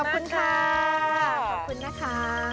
ขอบคุณนะคะ